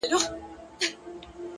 يــاره مـدعـا يــې خوښه ســـوېده ـ